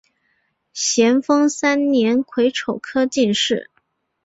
咸丰三年癸丑科进士。